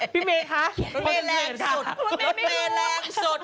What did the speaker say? พี่เมย์คะรถเมย์แรงสุดรถเมย์ไม่รู้รถเมย์แรงสุด